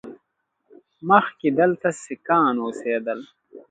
مخکې دلته سیکان اوسېدل